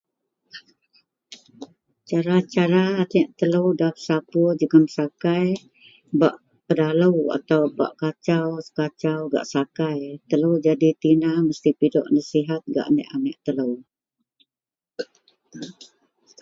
Cara-cara aneak telou nda pesapur jegem sakai bak pedalou atau bak kasau-kasau gak sakai. Telou nyadi tina mesti pidok nasehat gak aneak-aneak telou.